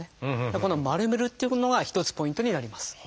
この丸めるっていうのが一つポイントになります。